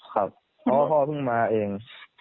ครับเพราะว่าพ่อเพิ่งมาเอง